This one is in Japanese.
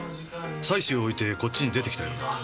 妻子を置いてこっちに出てきたようだ。